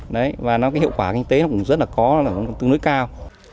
đấy và nó cái hiệu quả kinh tế nó cũng rất là có nó cũng tương đối cao